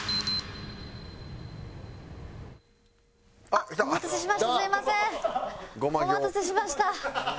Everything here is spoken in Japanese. お待たせしました。